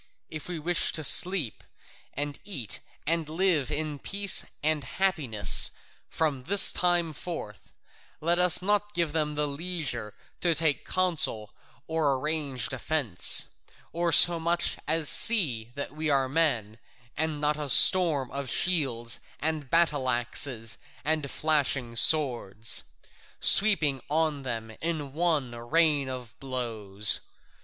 If we wish to sleep and eat and live in peace and happiness from this time forth, let us not give them leisure to take counsel or arrange defence, or so much as see that we are men, and not a storm of shields and battle axes and flashing swords, sweeping on them in one rain of blows.